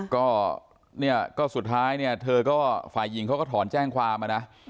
ก็เนี่ยก็สุดท้ายเนี่ยเธอก็ฝ่ายหญิงเขาก็ถอนแจ้งความนะ